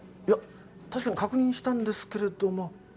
いや確かに確認したんですけれども。